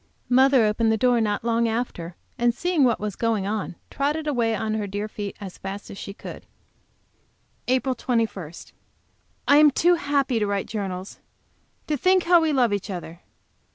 Mother opened the door not long after, and seeing what was going on, trotted away on her dear feet as fast as she could. APRIL 21. I am too happy to write journals. To think how we love each other.